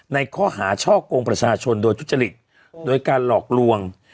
ในข้อหาช่อกงประชาชนโดยทุจริตโดยการหลอกลวง